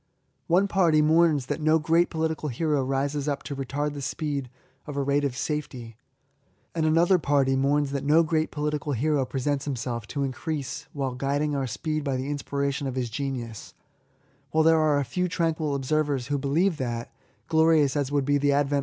One party mourns that no great political hero rises up to retard the speed to a rate of safety ; and another party mourns that no great political hero presents himself to increase while guiding our speed by the inspiration of hia genius ; while there are a few tranquil observers who believe that, glorious as would be the advent LIFE TO THE INVALID.